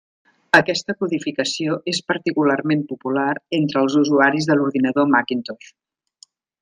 Aquesta codificació és particularment popular entre els usuaris de l'ordinador Macintosh.